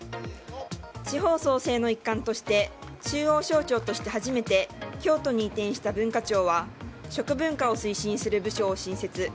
地方創生の一環として中央省庁として初めて京都に移転した文化庁は食文化を推進する部署を新設。